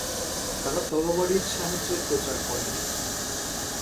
তারা তরবারির সাহায্যে প্রচার করেনি।